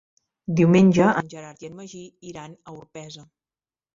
Diumenge en Gerard i en Magí iran a Orpesa.